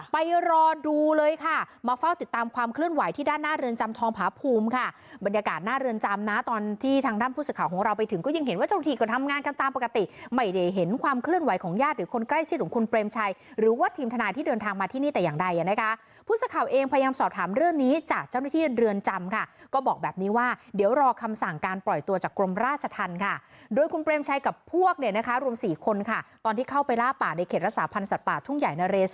ไปรอดูเลยค่ะมาเฝ้าติดตามความเคลื่อนไหวที่ด้านหน้าเรือนจำทองผาพูมค่ะบรรยากาศหน้าเรือนจำนะตอนที่ทางด้านผู้สักข่าวของเราไปถึงก็ยังเห็นว่าเจ้าหน้าผู้สักข่าวของเราไปถึงก็ยังเห็นว่าเจ้าหน้าผู้สักข่าวของเราไปถึงก็ยังเห็นว่าเจ้าหน้าผู้สักข่าวของเราไปถึงก็ยังเห็นว่าเจ้าหน้าผู้ส